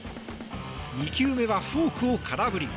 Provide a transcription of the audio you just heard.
２球目はフォークを空振り。